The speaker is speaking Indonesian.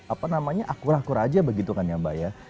apa namanya akur akur aja begitu kan ya mbak ya